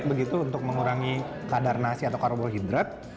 begitu untuk mengurangi kadar nasi atau karbohidrat